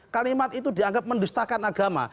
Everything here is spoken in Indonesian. kalimat itu dianggap menistakan agama